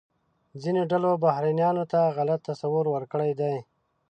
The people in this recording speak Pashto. ځینو ډلو بهرنیانو ته غلط تصور ورکړی دی.